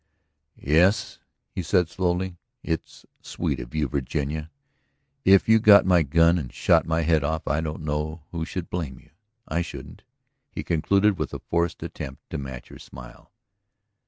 "Yes," he said slowly. "It's sweet of you, Virginia. If you got my gun and shot my head off, I don't know who should blame you. I shouldn't!" he concluded with a forced attempt to match her smile.